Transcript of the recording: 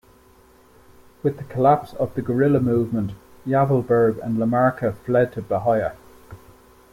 With the collapse of the guerrilla movement, Yavelberg and Lamarca fled to Bahia.